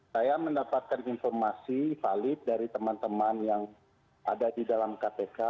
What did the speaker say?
saya mendapatkan informasi valid dari teman teman yang ada di dalam kpk